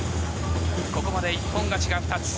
ここまで一本勝ちが２つ。